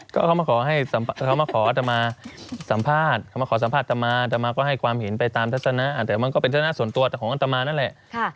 เข้ามาขออัตมาสัมภาษณ์ธรรมาก็ให้ความหินไปตามทัศนะอาจจะมันก็เป็นทัศนะส่วนตัวของอัตมานั่นแหละ